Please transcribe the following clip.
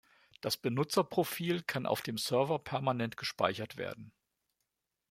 Das Benutzerprofil kann auf dem Server permanent gespeichert werden.